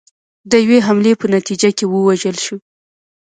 د یوې حملې په نتیجه کې ووژل شول